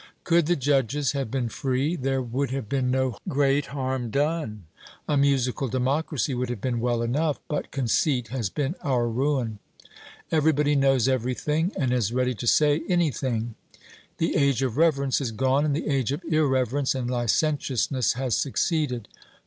Could the judges have been free, there would have been no great harm done; a musical democracy would have been well enough but conceit has been our ruin. Everybody knows everything, and is ready to say anything; the age of reverence is gone, and the age of irreverence and licentiousness has succeeded.